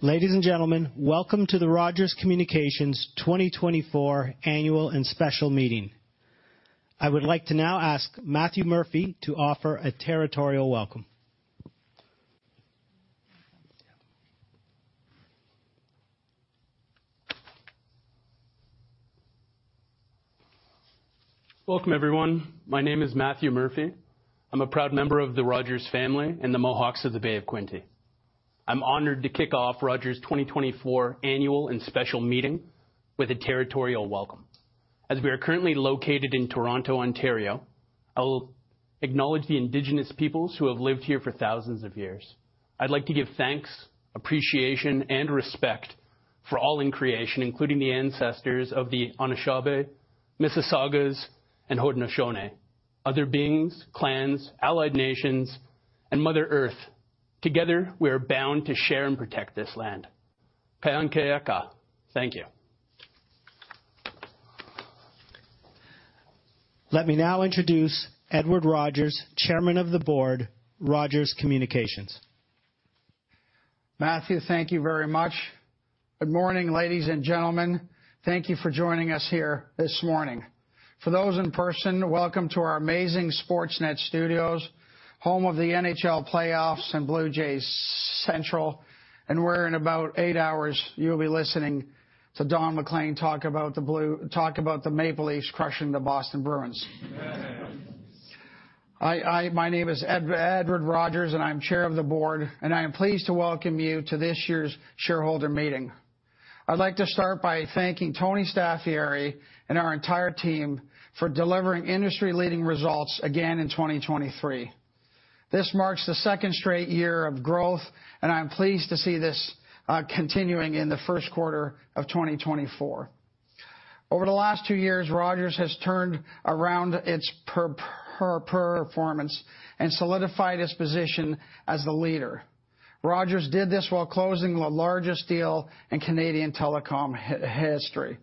Ladies and gentlemen, welcome to the Rogers Communications 2024 Annual and Special Meeting. I would like to now ask Matthew Murphy to offer a territorial welcome.t Welcome, everyone. My name is Matthew Murphy. I'm a proud member of the Rogers family and the Mohawks of the Bay of Quinte. I'm honored to kick off Rogers' 2024 Annual and Special Meeting with a territorial welcome. As we are currently located in Toronto, Ontario, I will acknowledge the Indigenous peoples who have lived here for thousands of years. I'd like to give thanks, appreciation, and respect for all in creation, including the ancestors of the Anishinaabe, Mississaugas, and Haudenosaunee, other beings, clans, allied nations, and Mother Earth. Together, we are bound to share and protect this land. Kanyen'kehá:ka. Thank you. Let me now introduce Edward Rogers, Chairman of the Board, Rogers Communications. Matthew, thank you very much. Good morning, ladies and gentlemen. Thank you for joining us here this morning. For those in person, welcome to our amazing Sportsnet studios, home of the NHL playoffs and Blue Jays Central. And we're in about eight hours, you'll be listening to Ron MacLean talk about the Maple Leafs crushing the Boston Bruins. My name is Edward Rogers, and I'm Chair of the Board, and I am pleased to welcome you to this year's shareholder meeting. I'd like to start by thanking Tony Staffieri and our entire team for delivering industry-leading results again in 2023. This marks the second straight year of growth, and I'm pleased to see this continuing in the first quarter of 2024. Over the last two years, Rogers has turned around its performance and solidified its position as the leader. Rogers did this while closing the largest deal in Canadian telecom history.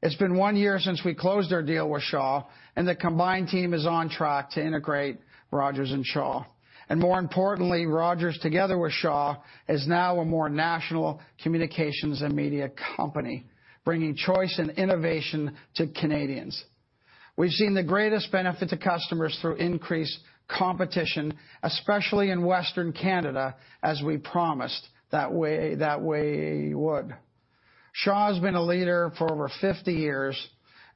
It's been one year since we closed our deal with Shaw, and the combined team is on track to integrate Rogers and Shaw, and more importantly, Rogers, together with Shaw, is now a more national communications and media company, bringing choice and innovation to Canadians. We've seen the greatest benefit to customers through increased competition, especially in Western Canada, as we promised that we would. Shaw has been a leader for over 50 years,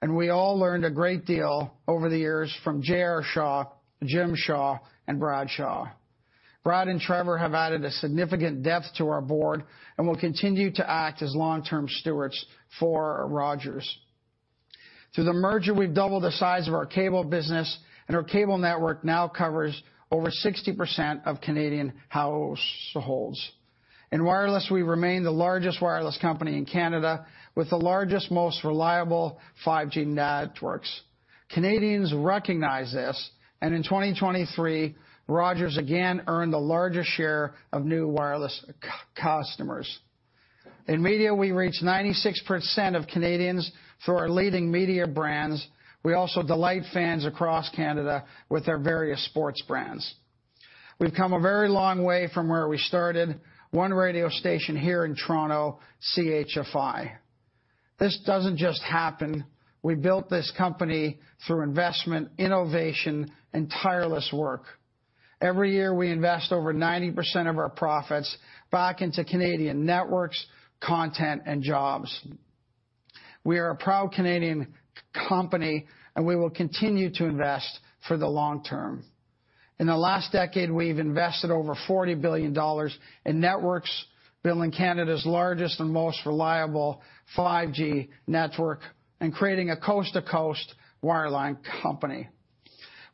and we all learned a great deal over the years from J.R. Shaw, Jim Shaw, and Brad Shaw. Brad and Trevor have added a significant depth to our board and will continue to act as long-term stewards for Rogers. Through the merger, we've doubled the size of our cable business, and our cable network now covers over 60% of Canadian households. In wireless, we remain the largest wireless company in Canada, with the largest, most reliable 5G networks. Canadians recognize this, and in 2023, Rogers again earned the largest share of new wireless customers. In media, we reach 96% of Canadians through our leading media brands. We also delight fans across Canada with our various sports brands. We've come a very long way from where we started, one radio station here in Toronto, CHFI. This doesn't just happen. We built this company through investment, innovation, and tireless work. Every year, we invest over 90% of our profits back into Canadian networks, content, and jobs. We are a proud Canadian company, and we will continue to invest for the long term. In the last decade, we've invested over 40 billion dollars in networks, building Canada's largest and most reliable 5G network, and creating a coast-to-coast wireline company.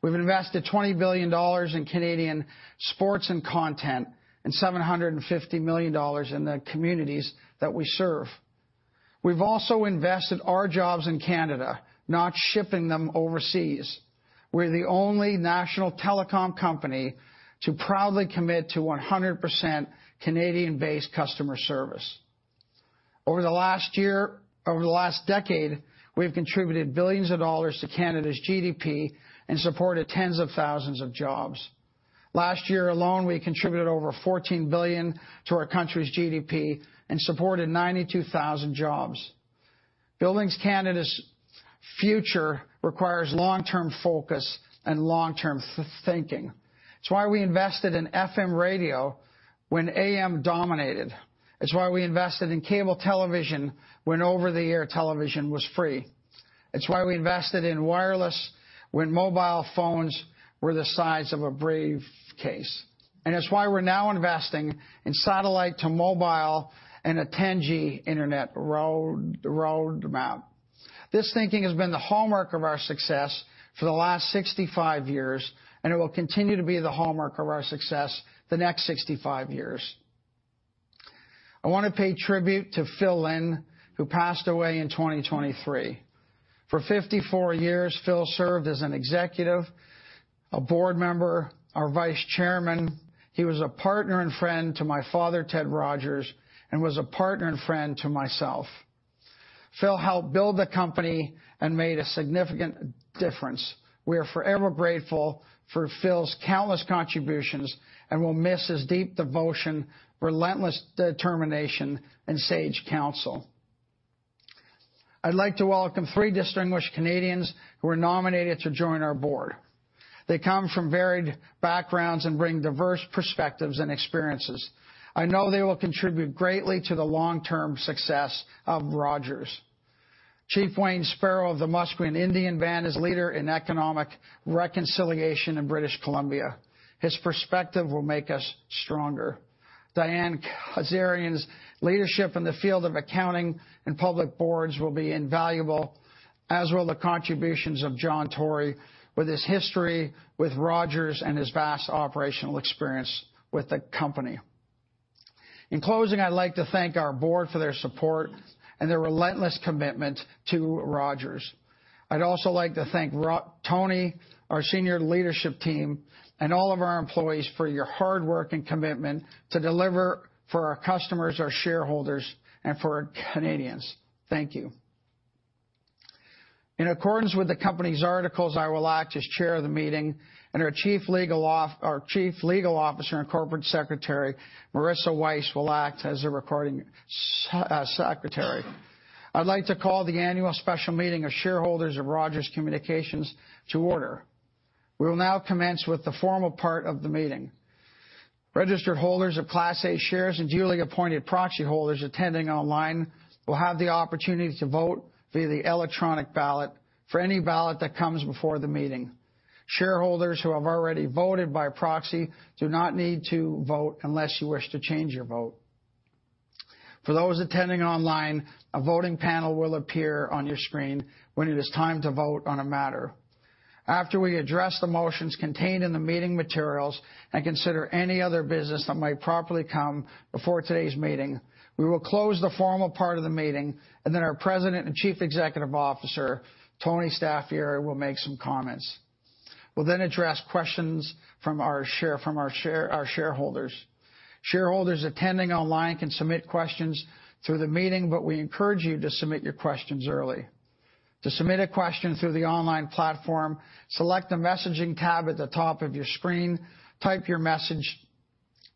We've invested 20 billion dollars in Canadian sports and content and 750 million dollars in the communities that we serve. We've also invested our jobs in Canada, not shipping them overseas. We're the only national telecom company to proudly commit to 100% Canadian-based customer service. Over the last year, over the last decade, we've contributed billions of dollars to Canada's GDP and supported tens of thousands of jobs. Last year alone, we contributed over 14 billion to our country's GDP and supported 92,000 jobs. Building Canada's future requires long-term focus and long-term thinking. It's why we invested in FM radio when AM dominated. It's why we invested in cable television when over-the-air television was free. It's why we invested in wireless when mobile phones were the size of a briefcase. And it's why we're now investing in satellite to mobile and a 10G internet roadmap. This thinking has been the hallmark of our success for the last 65 years, and it will continue to be the hallmark of our success the next 65 years. I want to pay tribute to Phil Lind, who passed away in 2023. For 54 years, Phil served as an executive, a board member, our Vice Chairman. He was a partner and friend to my father, Ted Rogers, and was a partner and friend to myself. Phil helped build the company and made a significant difference. We are forever grateful for Phil's countless contributions and will miss his deep devotion, relentless determination, and sage counsel. I'd like to welcome three distinguished Canadians who were nominated to join our board. They come from varied backgrounds and bring diverse perspectives and experiences. I know they will contribute greatly to the long-term success of Rogers. Chief Wayne Sparrow of the Musqueam Indian Band is leader in economic reconciliation in British Columbia. His perspective will make us stronger. Diane Kazarian's leadership in the field of accounting and public boards will be invaluable, as will the contributions of John Tory with his history with Rogers and his vast operational experience with the company. In closing, I'd like to thank our board for their support and their relentless commitment to Rogers. I'd also like to thank Tony, our senior leadership team, and all of our employees for your hard work and commitment to deliver for our customers, our shareholders, and for Canadians. Thank you. In accordance with the company's articles, I will act as chair of the meeting, and our Chief Legal Officer and Corporate Secretary, Marisa Wyse, will act as the recording secretary. I'd like to call the annual special meeting of shareholders of Rogers Communications to order. We will now commence with the formal part of the meeting. Registered holders of Class A shares and duly appointed proxy holders attending online will have the opportunity to vote via the electronic ballot for any ballot that comes before the meeting. Shareholders who have already voted by proxy do not need to vote unless you wish to change your vote. For those attending online, a voting panel will appear on your screen when it is time to vote on a matter. After we address the motions contained in the meeting materials and consider any other business that might properly come before today's meeting, we will close the formal part of the meeting, and then our President and Chief Executive Officer, Tony Staffieri, will make some comments. We'll then address questions from our shareholders. Shareholders attending online can submit questions through the meeting, but we encourage you to submit your questions early. To submit a question through the online platform, select the messaging tab at the top of your screen, type your message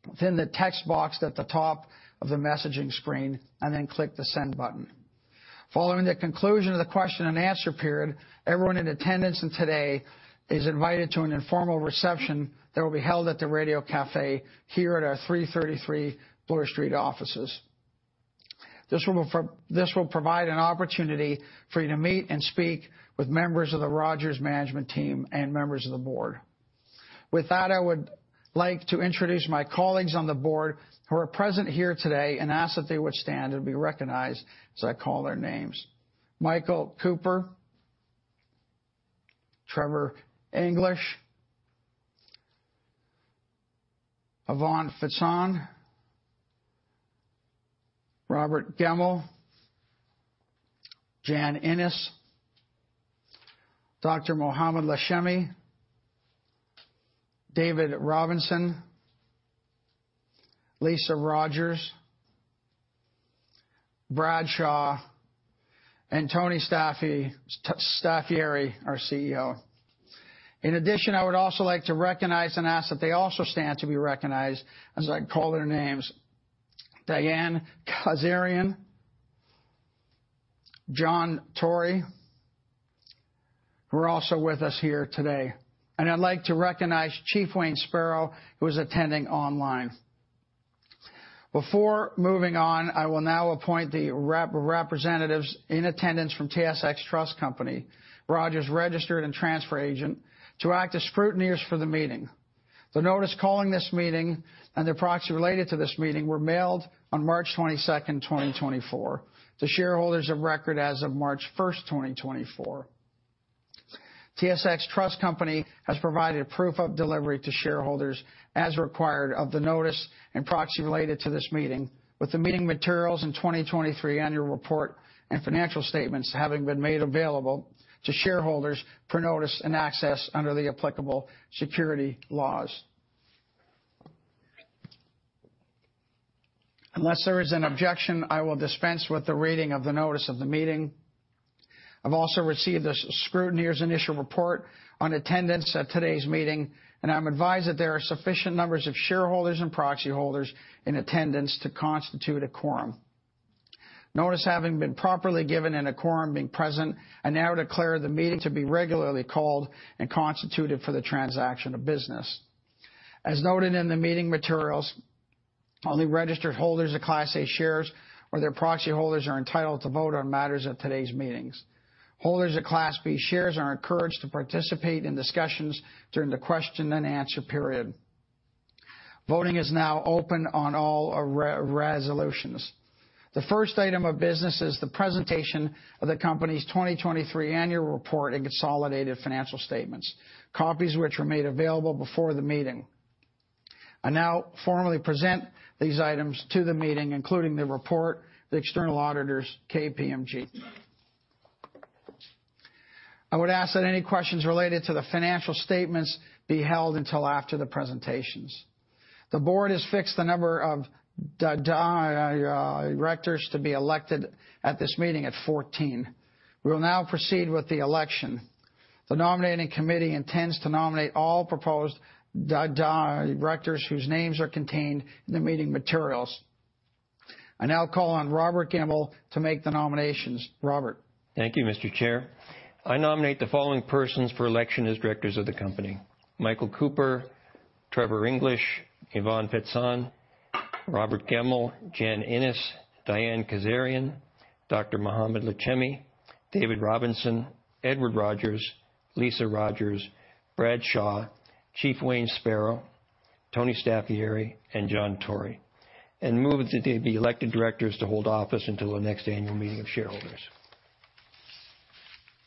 within the text box at the top of the messaging screen, and then click the send button. Following the conclusion of the question and answer period, everyone in attendance today is invited to an informal reception that will be held at the Radio Café here at our 333 Bloor Street offices. This will provide an opportunity for you to meet and speak with members of the Rogers management team and members of the board. With that, I would like to introduce my colleagues on the board who are present here today and ask that they would stand and be recognized as I call their names. Michael Cooper, Trevor English, Ivan Fecan, Robert Gemmell, Jan Innes, Dr. Mohamed Lachemi, David Robinson, Lisa Rogers, Brad Shaw, and Tony Staffieri, our CEO. In addition, I would also like to recognize and ask that they also stand to be recognized as I call their names. Diane Kazarian, John Tory, who are also with us here today. I'd like to recognize Chief Wayne Sparrow, who was attending online. Before moving on, I will now appoint the representatives in attendance from TSX Trust Company, Rogers Registrar and Transfer Agent, to act as scrutineers for the meeting. The notice calling this meeting and the proxy related to this meeting were mailed on March 22nd, 2024, to shareholders of record as of March 1st, 2024. TSX Trust Company has provided proof of delivery to shareholders as required of the notice and proxy related to this meeting, with the meeting materials and 2023 annual report and financial statements having been made available to shareholders per notice and access under the applicable securities laws. Unless there is an objection, I will dispense with the reading of the notice of the meeting. I've also received the scrutineer's initial report on attendance at today's meeting, and I'm advised that there are sufficient numbers of shareholders and proxy holders in attendance to constitute a quorum. Notice having been properly given and a quorum being present, I now declare the meeting to be regularly called and constituted for the transaction of business. As noted in the meeting materials, only registered holders of Class A shares or their proxy holders are entitled to vote on matters of today's meetings. Holders of Class B shares are encouraged to participate in discussions during the question and answer period. Voting is now open on all resolutions. The first item of business is the presentation of the company's 2023 annual report and consolidated financial statements, copies which were made available before the meeting. I now formally present these items to the meeting, including the report, the external auditors, KPMG. I would ask that any questions related to the financial statements be held until after the presentations. The board has fixed the number of directors to be elected at this meeting at 14. We will now proceed with the election. The nominating committee intends to nominate all proposed directors whose names are contained in the meeting materials. I now call on Robert Gemmell to make the nominations. Robert. Thank you, Mr. Chair. I nominate the following persons for election as directors of the company: Michael Cooper, Trevor English, Ivan Fecan, Robert Gemmell, Jan Innes, Diane Kazarian, Dr. Mohamed Lachemi, David Robinson, Edward Rogers, Lisa Rogers, Brad Shaw, Chief Wayne Sparrow, Tony Staffieri, and John Tory, and move that they be elected directors to hold office until the next annual meeting of shareholders.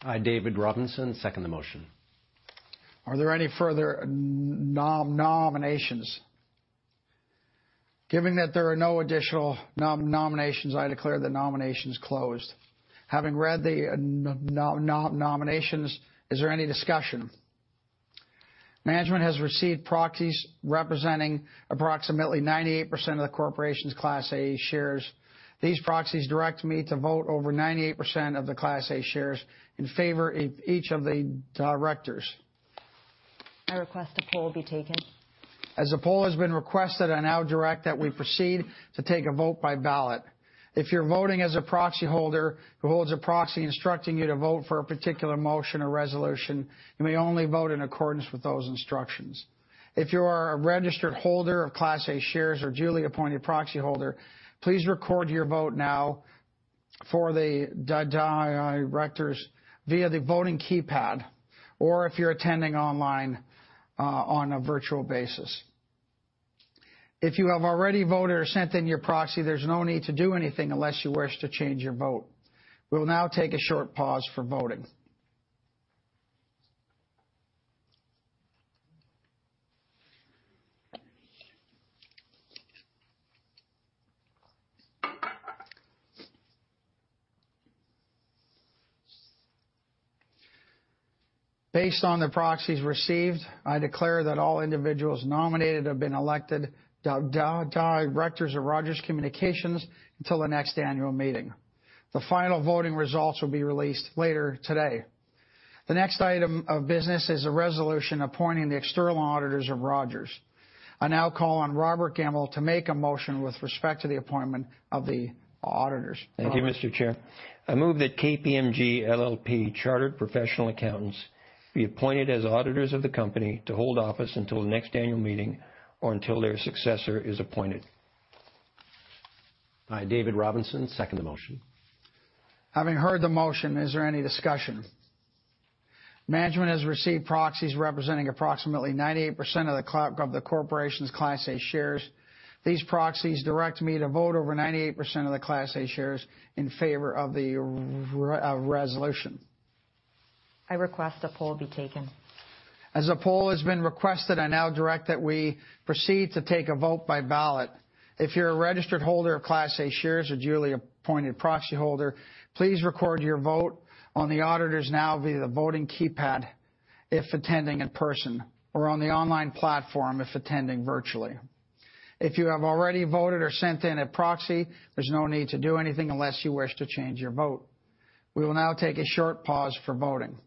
I, David Robinson, second the motion. Are there any further nominations? Given that there are no additional nominations, I declare the nominations closed. Having read the nominations, is there any discussion? Management has received proxies representing approximately 98% of the corporation's Class A shares. These proxies direct me to vote over 98% of the Class A shares in favor of each of the directors. I request a poll be taken. As the poll has been requested, I now direct that we proceed to take a vote by ballot. If you're voting as a proxy holder who holds a proxy instructing you to vote for a particular motion or resolution, you may only vote in accordance with those instructions. If you are a registered holder of Class A Shares or duly appointed proxy holder, please record your vote now for the directors via the voting keypad or if you're attending online on a virtual basis. If you have already voted or sent in your proxy, there's no need to do anything unless you wish to change your vote. We will now take a short pause for voting. Based on the proxies received, I declare that all individuals nominated have been elected directors of Rogers Communications until the next annual meeting. The final voting results will be released later today. The next item of business is a resolution appointing the external auditors of Rogers. I now call on Robert Gemmell to make a motion with respect to the appointment of the auditors. Thank you, Mr. Chair. I move that KPMG LLP Chartered Professional Accountants be appointed as auditors of the company to hold office until the next annual meeting or until their successor is appointed. I, David Robinson, second the motion. Having heard the motion, is there any discussion? Management has received proxies representing approximately 98% of the corporation's Class A shares. These proxies direct me to vote over 98% of the Class A shares in favor of the resolution. I request a poll be taken. As a poll has been requested, I now direct that we proceed to take a vote by ballot. If you're a registered holder of Class A Shares or duly appointed proxy holder, please record your vote on the auditors now via the voting keypad if attending in person or on the online platform if attending virtually. If you have already voted or sent in a proxy, there's no need to do anything unless you wish to change your vote. We will now take a short pause for voting.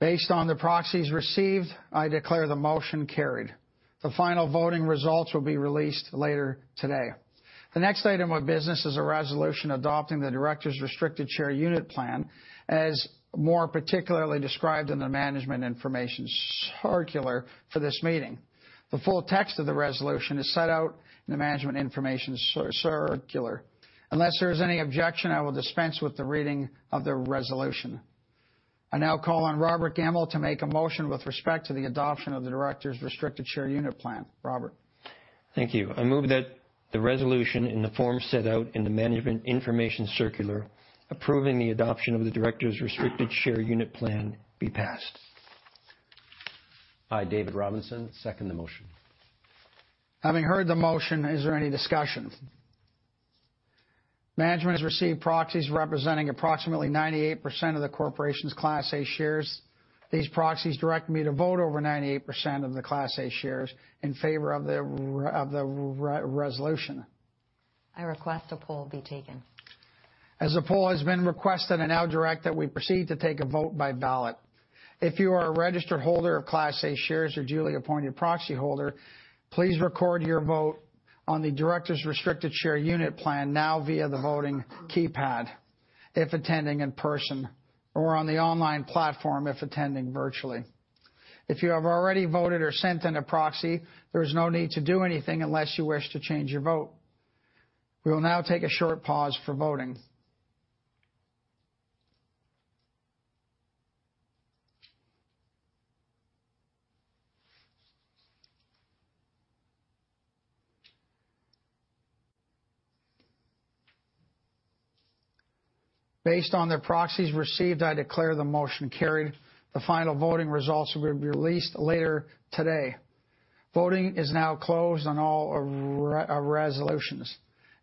Based on the proxies received, I declare the motion carried. The final voting results will be released later today. The next item of business is a resolution adopting the directors' restricted share unit plan as more particularly described in the management information circular for this meeting. The full text of the resolution is set out in the management information circular. Unless there is any objection, I will dispense with the reading of the resolution. I now call on Robert Gemmell to make a motion with respect to the adoption of the directors' restricted share unit plan. Robert. Thank you. I move that the resolution in the form set out in the management information circular approving the adoption of the directors' restricted share unit plan be passed. I, David Robinson, second the motion. Having heard the motion, is there any discussion? Management has received proxies representing approximately 98% of the corporation's Class A shares. These proxies direct me to vote over 98% of the Class A shares in favor of the resolution. I request a poll be taken. As a poll has been requested, I now direct that we proceed to take a vote by ballot. If you are a registered holder of Class A shares or duly appointed proxy holder, please record your vote on the directors' restricted share unit plan now via the voting keypad if attending in person or on the online platform if attending virtually. If you have already voted or sent in a proxy, there is no need to do anything unless you wish to change your vote. We will now take a short pause for voting. Based on the proxies received, I declare the motion carried. The final voting results will be released later today. Voting is now closed on all resolutions.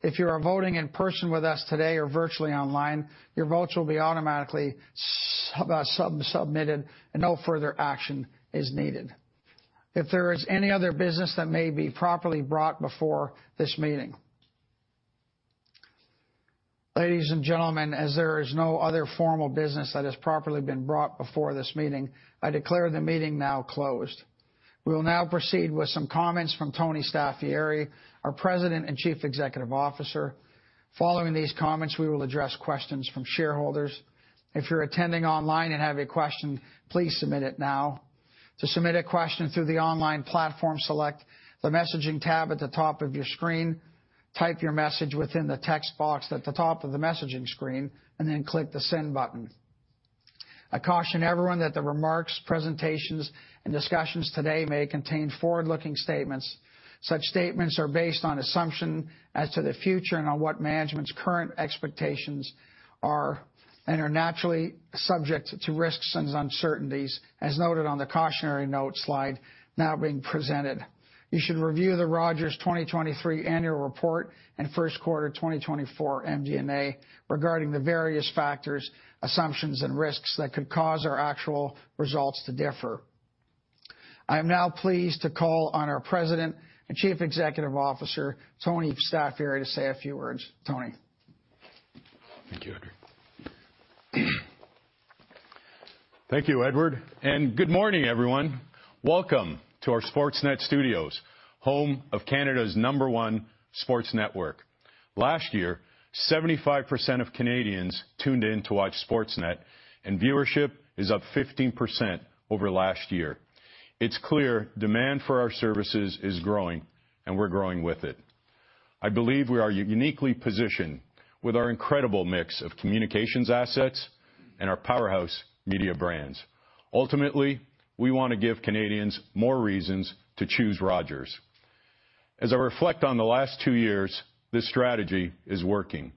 If you are voting in person with us today or virtually online, your votes will be automatically submitted, and no further action is needed. If there is any other business that may be properly brought before this meeting. Ladies and gentlemen, as there is no other formal business that has properly been brought before this meeting, I declare the meeting now closed. We will now proceed with some comments from Tony Staffieri, our President and Chief Executive Officer. Following these comments, we will address questions from shareholders. If you're attending online and have a question, please submit it now. To submit a question through the online platform, select the messaging tab at the top of your screen, type your message within the text box at the top of the messaging screen, and then click the send button. I caution everyone that the remarks, presentations, and discussions today may contain forward-looking statements. Such statements are based on assumption as to the future and on what management's current expectations are and are naturally subject to risks and uncertainties, as noted on the cautionary note slide now being presented. You should review the Rogers 2023 annual report and first quarter 2024 MD&A regarding the various factors, assumptions, and risks that could cause our actual results to differ. I am now pleased to call on our President and Chief Executive Officer, Tony Staffieri, to say a few words. Tony. Thank you, Edward. Good morning, everyone. Welcome to our Sportsnet Studios, home of Canada's number one sports network. Last year, 75% of Canadians tuned in to watch Sportsnet, and viewership is up 15% over last year. It's clear demand for our services is growing, and we're growing with it. I believe we are uniquely positioned with our incredible mix of communications assets and our powerhouse media brands. Ultimately, we want to give Canadians more reasons to choose Rogers. As I reflect on the last two years, this strategy is working.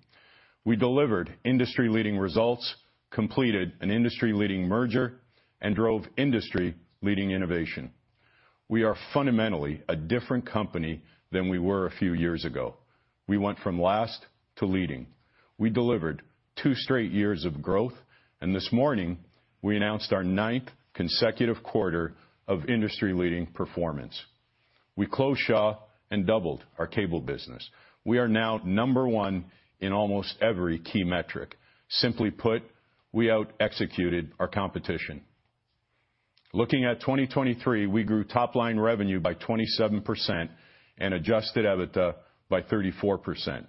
We delivered industry-leading results, completed an industry-leading merger, and drove industry-leading innovation. We are fundamentally a different company than we were a few years ago. We went from last to leading. We delivered two straight years of growth, and this morning, we announced our ninth consecutive quarter of industry-leading performance. We closed Shaw and doubled our cable business. We are now number one in almost every key metric. Simply put, we out-executed our competition. Looking at 2023, we grew top-line revenue by 27% and adjusted EBITDA by 34%.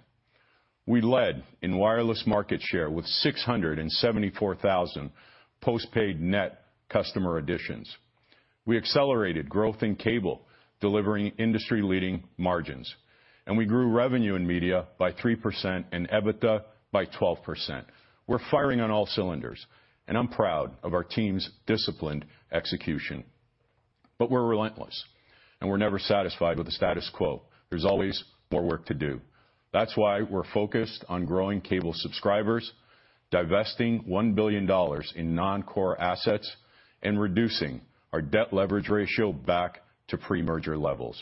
We led in wireless market share with 674,000 postpaid net customer additions. We accelerated growth in cable, delivering industry-leading margins, and we grew revenue in media by 3% and EBITDA by 12%. We're firing on all cylinders, and I'm proud of our team's disciplined execution. But we're relentless, and we're never satisfied with the status quo. There's always more work to do. That's why we're focused on growing cable subscribers, divesting 1 billion dollars in non-core assets, and reducing our debt leverage ratio back to pre-merger levels.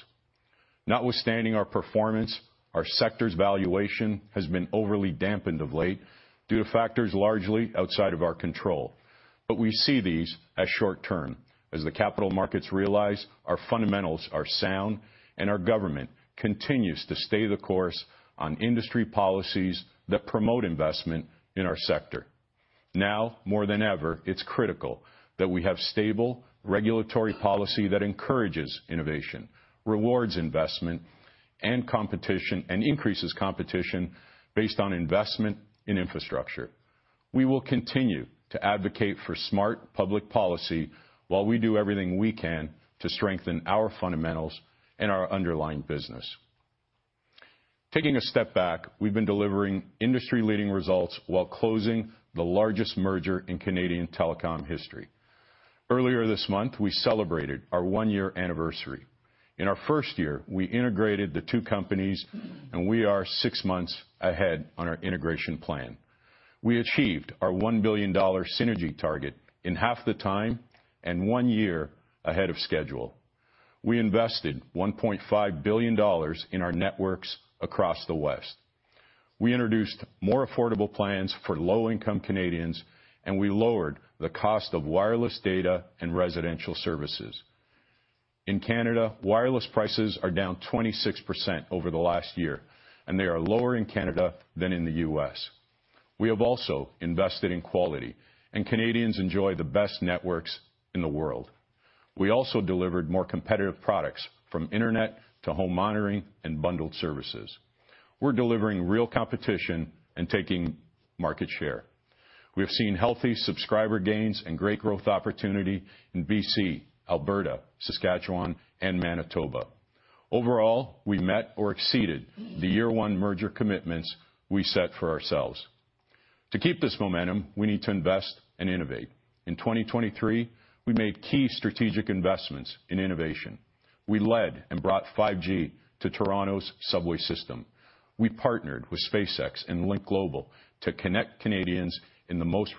Notwithstanding our performance, our sector's valuation has been overly dampened of late due to factors largely outside of our control. But we see these as short-term, as the capital markets realize our fundamentals are sound and our government continues to stay the course on industry policies that promote investment in our sector. Now, more than ever, it's critical that we have stable regulatory policy that encourages innovation, rewards investment, and increases competition based on investment in infrastructure. We will continue to advocate for smart public policy while we do everything we can to strengthen our fundamentals and our underlying business. Taking a step back, we've been delivering industry-leading results while closing the largest merger in Canadian telecom history. Earlier this month, we celebrated our one-year anniversary. In our first year, we integrated the two companies, and we are six months ahead on our integration plan. We achieved our 1 billion dollar synergy target in half the time and one year ahead of schedule. We invested 1.5 billion dollars in our networks across the West. We introduced more affordable plans for low-income Canadians, and we lowered the cost of wireless data and residential services. In Canada, wireless prices are down 26% over the last year, and they are lower in Canada than in the U.S. We have also invested in quality, and Canadians enjoy the best networks in the world. We also delivered more competitive products from internet to home monitoring and bundled services. We're delivering real competition and taking market share. We have seen healthy subscriber gains and great growth opportunity in BC, Alberta, Saskatchewan, and Manitoba. Overall, we met or exceeded the year-one merger commitments we set for ourselves. To keep this momentum, we need to invest and innovate. In 2023, we made key strategic investments in innovation. We led and brought 5G to Toronto's subway system. We partnered with SpaceX and Lynk Global to connect Canadians in the most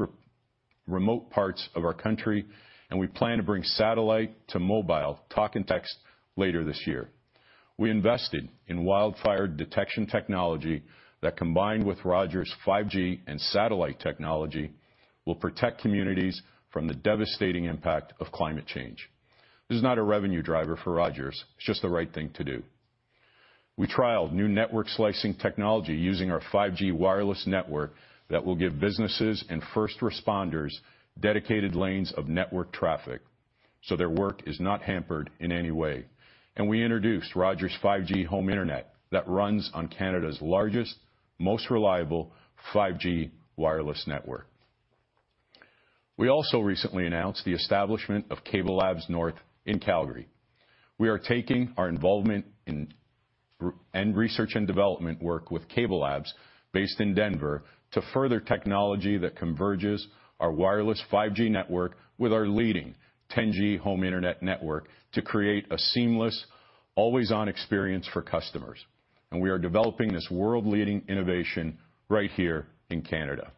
remote parts of our country, and we plan to bring satellite to mobile talk and text later this year. We invested in wildfire detection technology that, combined with Rogers' 5G and satellite technology, will protect communities from the devastating impact of climate change. This is not a revenue driver for Rogers. It's just the right thing to do. We trialed new network slicing technology using our 5G wireless network that will give businesses and first responders dedicated lanes of network traffic so their work is not hampered in any way. And we introduced Rogers' 5G home internet that runs on Canada's largest, most reliable 5G wireless network. We also recently announced the establishment of CableLabs North in Calgary. We are taking our involvement in research and development work with CableLabs, based in Denver, to further technology that converges our wireless 5G network with our leading 10G home internet network to create a seamless, always-on experience for customers. And we are developing this world-leading innovation right here in Canada.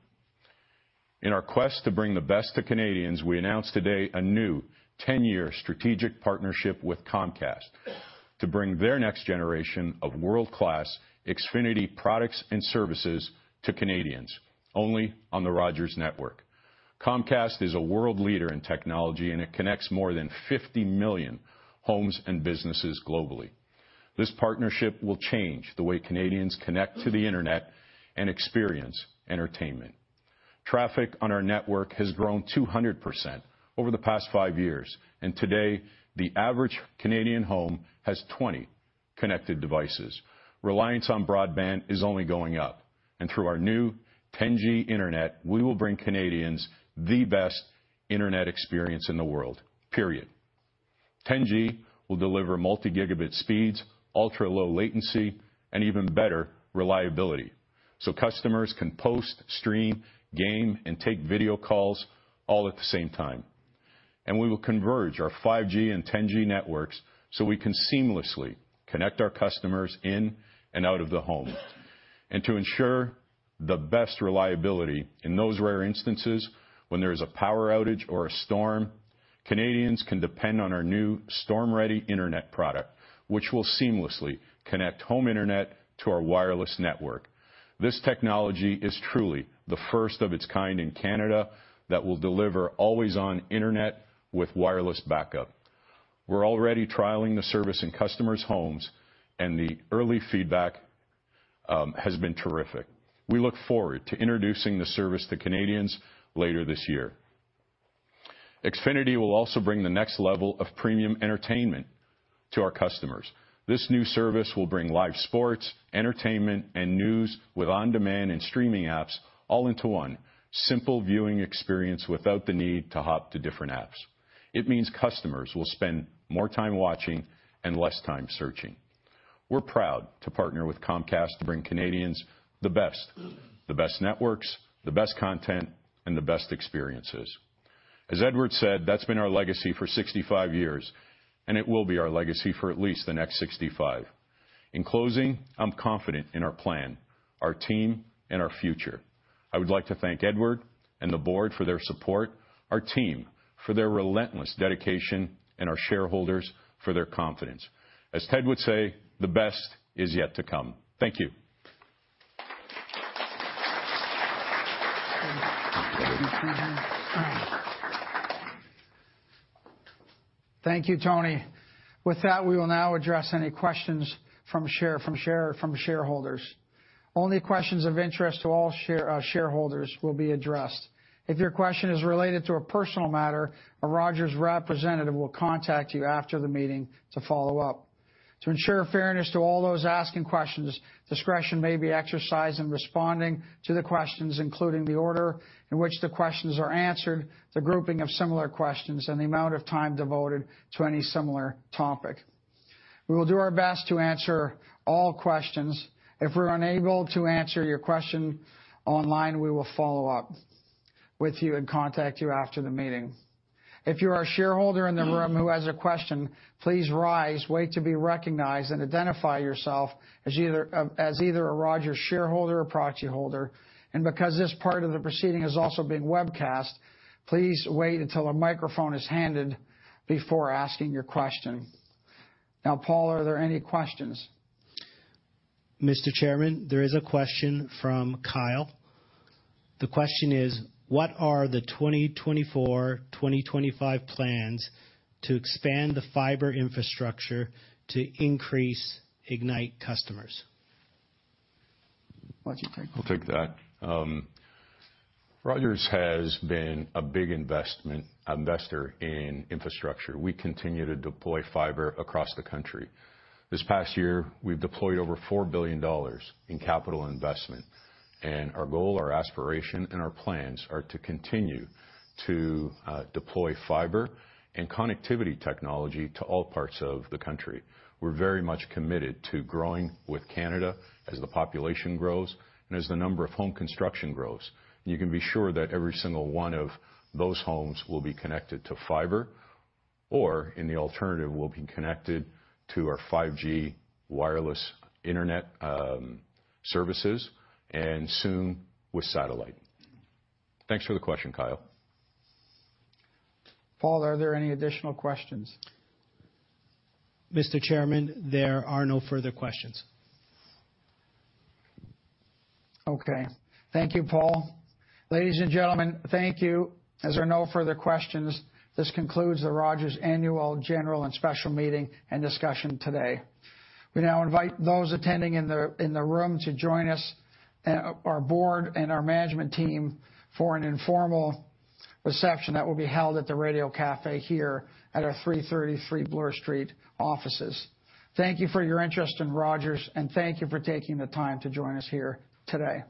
In our quest to bring the best to Canadians, we announced today a new 10-year strategic partnership with Comcast to bring their next generation of world-class Xfinity products and services to Canadians, only on the Rogers network. Comcast is a world leader in technology, and it connects more than 50 million homes and businesses globally. This partnership will change the way Canadians connect to the internet and experience entertainment. Traffic on our network has grown 200% over the past five years, and today, the average Canadian home has 20 connected devices. Reliance on broadband is only going up. And through our new 10G internet, we will bring Canadians the best internet experience in the world, period. 10G will deliver multi-gigabit speeds, ultra-low latency, and even better reliability so customers can post, stream, game, and take video calls all at the same time. And we will converge our 5G and 10G networks so we can seamlessly connect our customers in and out of the home. And to ensure the best reliability in those rare instances when there is a power outage or a storm, Canadians can depend on our new Storm-Ready internet product, which will seamlessly connect home internet to our wireless network. This technology is truly the first of its kind in Canada that will deliver always-on internet with wireless backup. We're already trialing the service in customers' homes, and the early feedback has been terrific. We look forward to introducing the service to Canadians later this year. Xfinity will also bring the next level of premium entertainment to our customers. This new service will bring live sports, entertainment, and news with on-demand and streaming apps all into one simple viewing experience without the need to hop to different apps. It means customers will spend more time watching and less time searching. We're proud to partner with Comcast to bring Canadians the best, the best networks, the best content, and the best experiences. As Edward said, that's been our legacy for 65 years, and it will be our legacy for at least the next 65. In closing, I'm confident in our plan, our team, and our future. I would like to thank Edward and the board for their support, our team for their relentless dedication, and our shareholders for their confidence. As Ted would say, the best is yet to come. Thank you. Thank you, Tony. With that, we will now address any questions from shareholders. Only questions of interest to all shareholders will be addressed. If your question is related to a personal matter, a Rogers representative will contact you after the meeting to follow up. To ensure fairness to all those asking questions, discretion may be exercised in responding to the questions, including the order in which the questions are answered, the grouping of similar questions, and the amount of time devoted to any similar topic. We will do our best to answer all questions. If we're unable to answer your question online, we will follow up with you and contact you after the meeting. If you are a shareholder in the room who has a question, please rise, wait to be recognized, and identify yourself as either a Rogers shareholder or proxy holder. And because this part of the proceeding is also being webcast, please wait until a microphone is handed before asking your question. Now, Paul, are there any questions? Mr. Chairman, there is a question from Kyle. The question is, what are the 2024-2025 plans to expand the fiber infrastructure to increase Ignite customers? I'll take that. Rogers has been a big investor in infrastructure. We continue to deploy fiber across the country. This past year, we've deployed over 4 billion dollars in capital investment. Our goal, our aspiration, and our plans are to continue to deploy fiber and connectivity technology to all parts of the country. We're very much committed to growing with Canada as the population grows and as the number of home construction grows. You can be sure that every single one of those homes will be connected to fiber, or in the alternative, will be connected to our 5G wireless internet services, and soon with satellite. Thanks for the question, Kyle. Paul, are there any additional questions? Mr. Chairman, there are no further questions. Okay. Thank you, Paul. Ladies and gentlemen, thank you. As there are no further questions, this concludes the Rogers annual general and special meeting and discussion today. We now invite those attending in the room to join us, our board, and our management team for an informal reception that will be held at the Radio Café here at our 333 Bloor Street offices. Thank you for your interest in Rogers, and thank you for taking the time to join us here today.